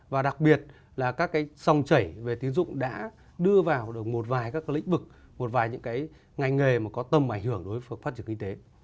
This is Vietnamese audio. và đặc biệt là các cái sòng chảy về tín dụng đã đưa vào được một vài các cái lĩnh vực một vài những cái ngành nghề mà có tầm ảnh hưởng đối với phát triển kinh tế